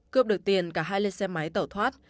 cướp được tiền cả hai lên xe máy tẩu thoát